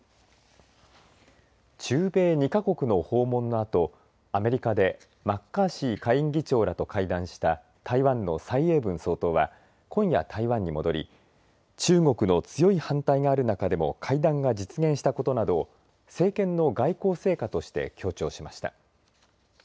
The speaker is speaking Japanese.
中米２か国の訪問のあとアメリカでマッカーシー下院議長らと会談した台湾の蔡英文総統は今夜、台湾に戻り中国の強い反対がある中でも会談が実現したことなどを政権の外交成果として強調しました。